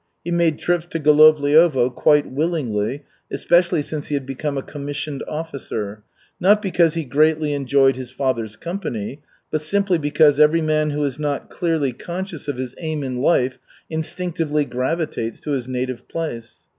He made trips to Golovliovo quite willingly, especially since he had become a commissioned officer, not because he greatly enjoyed his father's company, but simply because every man who is not clearly conscious of his aim in life instinctively gravitates to his native place.